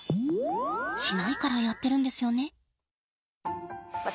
しないからやってるんですよね。